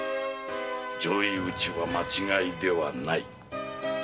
上意討ちは間違いではないと。